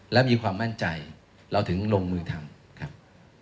และมีความมั่นใจเราถึงลงมือทำครับ